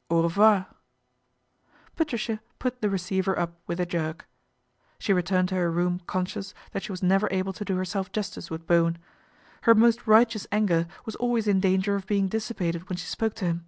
" Au revoir." Patricia put the receiver up with a jerk. She returned to her room conscious that she was never able to do herself justice with Bowen. Hei most righteous anger was always in danger oi being dissipated when she spoke to him.